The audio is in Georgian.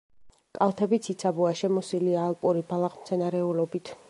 კალთები ციცაბოა, შემოსილია ალპური ბალახმცენარეულობით.